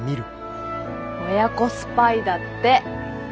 親子スパイだって。